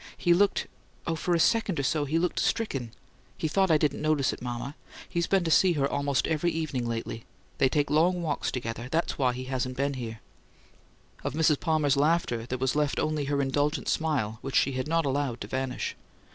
He looked oh, for a second or so he looked stricken! He thought I didn't notice it. Mama, he's been to see her almost every evening lately. They take long walks together. That's why he hasn't been here." Of Mrs. Palmer's laughter there was left only her indulgent smile, which she had not allowed to vanish.